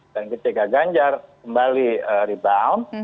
dan ketika ganjar kembali rebound